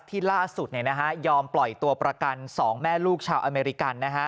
ที่ล่าสุดยอมปล่อยตัวประกัน๒แม่ลูกชาวอเมริกัน